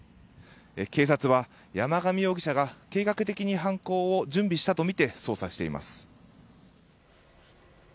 警察は山上容疑者が計画的に犯行を準備したとみて捜査しています。